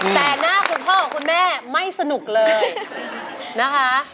แต่หน้าคุณพ่อกับคุณแม่ไม่สนุกเลยนะคะ